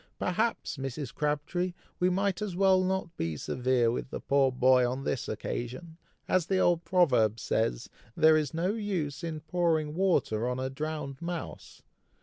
"Perhaps, Mrs. Crabtree, we might as well not be severe with the poor boy on this occasion. As the old proverb says, 'there is no use in pouring water on a drowned mouse.'